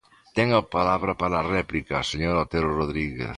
Ten a palabra, para a réplica, a señora Otero Rodríguez.